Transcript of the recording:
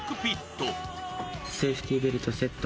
セーフティーベルトセット。